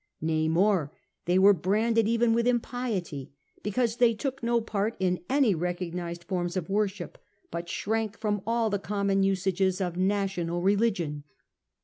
Nay more, they were branded even with impiety, be cause they took no part in any recognised forms of wor ship, but shrank from all the common usages of national religion.